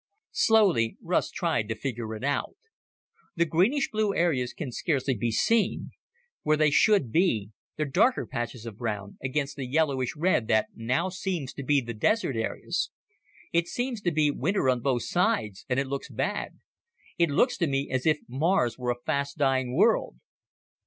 Slowly Russ tried to figure it out, "The greenish blue areas can scarcely be seen. Where they should be, there're darker patches of brown, against the yellowish red that now seems to be the desert areas. It seems to be winter on both sides and it looks bad. It looks to me as if Mars were a fast dying world."